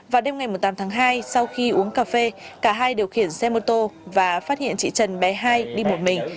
vào đêm ngày một mươi tám tháng hai sau khi uống cà phê cả hai điều khiển xe mô tô và phát hiện chị trần bé hai đi một mình